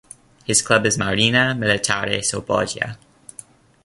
His club is Marina militare Sabaudia.